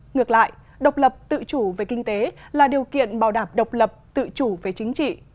ngược lại độc lập tự chủ về kinh tế là điều kiện bảo đảm độc lập tự chủ về chính trị